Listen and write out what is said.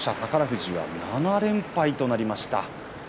富士は７連敗となりました。